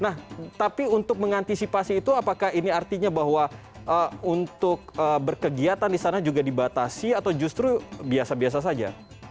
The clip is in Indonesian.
nah tapi untuk mengantisipasi itu apakah ini artinya bahwa untuk berkegiatan di sana juga dibatasi atau justru biasa biasa saja